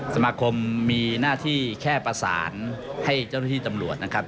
สมาคมมีหน้าที่แค่ประสานให้เจ้าหน้าที่ตำรวจนะครับ